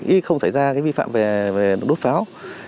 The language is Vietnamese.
ý không xảy ra vi phạm về nổ đốt pháo